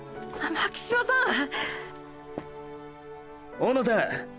小野田ぁ